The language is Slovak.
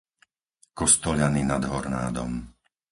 Kostoľany nad Hornádom